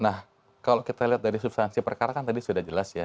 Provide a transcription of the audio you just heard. nah kalau kita lihat dari substansi perkara kan tadi sudah jelas ya